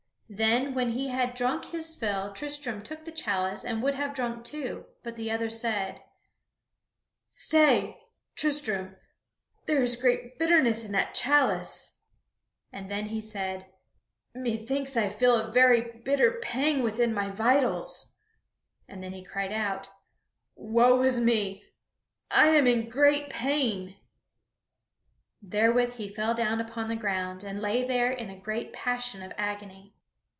Then when he had drunk his fill, Tristram took the chalice and would have drunk too; but the other said, "Stay, Tristram, there is great bitterness in that chalice"; and then he said, "Methinks I feel a very bitter pang within my vitals," and then he cried out, "Woe is me! I am in great pain!" Therewith he fell down upon the ground and lay there in a great passion of agony.